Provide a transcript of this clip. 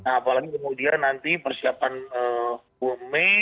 apalagi kemudian nanti persiapan dua mei